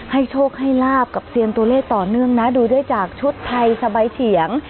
โชคให้ลาบกับเซียนตัวเลขต่อเนื่องนะดูได้จากชุดไทยสบายเฉียง